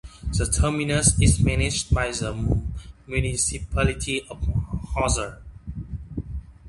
The terminus is managed by the municipality of Hosur.